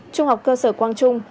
trung học cơ sở quang trung